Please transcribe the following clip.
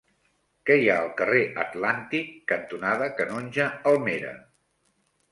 Què hi ha al carrer Atlàntic cantonada Canonge Almera?